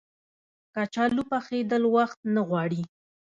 کچالو پخېدل وخت نه غواړي